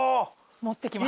持ってきます。